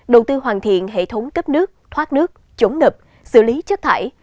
đầu tư hoàn thiện hệ thống cấp nước thoát nước chống ngập xử lý chất thải